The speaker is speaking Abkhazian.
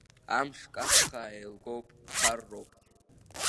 Амш каххаа еилгоуп, ԥхарроуп.